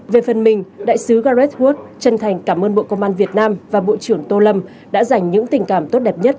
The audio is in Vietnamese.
về phần mình đại sứ gareth wood chân thành cảm ơn bộ công an việt nam và bộ trưởng tô lâm đã dành những tình cảm tốt đẹp nhất